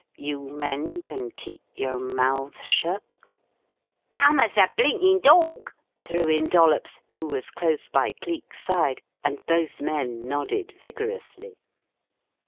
You men can keep your mouths shut?" "Dumb as a blinkin' dorg!" threw in Dollops, who was close by Cleek's side, and both men nodded vigorously.